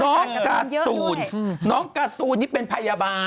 น้องการ์ตูนน้องการ์ตูนนี่เป็นพยาบาล